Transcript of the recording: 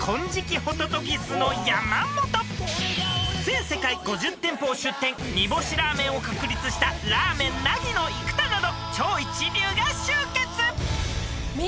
［全世界５０店舗を出店煮干しラーメンを確立したラーメン凪の生田など超一流が集結］